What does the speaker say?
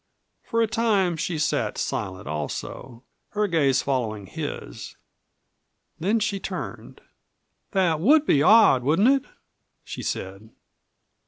For a time she sat silent also, her gaze following his. Then she turned. "That would be odd, wouldn't it?" she said.